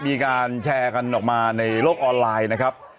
มีการแชร์กันออกมาในโลกออนไลน์นะครับ